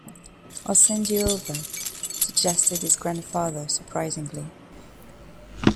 "I'll send you over," suggested his grandfather surprisingly.